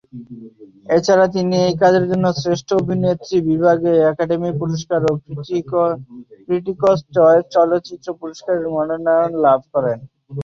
এছাড়া তিনি এই কাজের জন্য শ্রেষ্ঠ অভিনেত্রী বিভাগে একাডেমি পুরস্কার ও ক্রিটিকস চয়েস চলচ্চিত্র পুরস্কারের মনোনয়ন লাভ করেন।